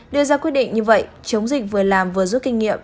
đưa ra quyết định như vậy chống dịch vừa làm vừa rút kinh nghiệm